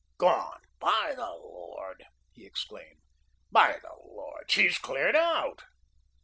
"Gone, by the Lord," he exclaimed. "By the Lord, she's cleared out."